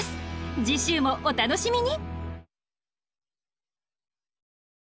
次週もお楽しみに！